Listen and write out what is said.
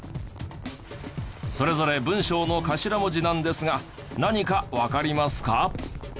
それぞれ文章の頭文字なんですが何かわかりますか？